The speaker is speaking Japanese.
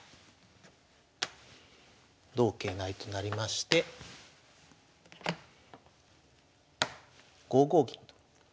同桂成となりまして５五銀と。